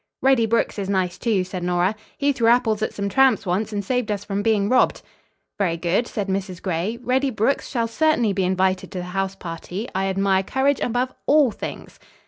"Reddy Brooks is nice, too," said Nora. "He threw apples at some tramps once, and saved us from being robbed." "Very good," said Mrs. Gray. "Reddy Brooks shall certainly be invited to the house party. I admire courage above all things."